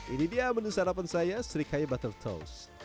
ini dia menu sarapan saya srikaya butter toast